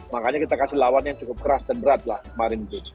makanya kita kasih lawan yang cukup keras dan berat lah kemarin itu